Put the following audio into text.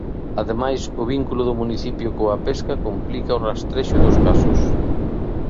Ademais, o vínculo do municipio coa pesca complica o rastrexo dos casos.